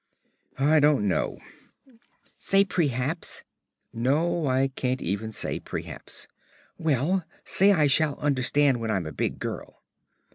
"I don't know." "Say prehaps." "No, I can't even say prehaps." "Well, say I shall understand when I'm a big girl."